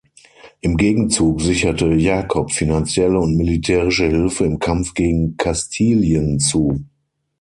Im Gegenzug sicherte Jakob finanzielle und militärische Hilfe im Kampf gegen Kastilien zu.